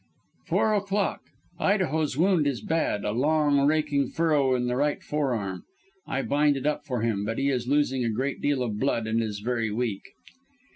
"Four o'clock. Idaho's wound is bad a long, raking furrow in the right forearm. I bind it up for him, but he is losing a great deal of blood and is very weak.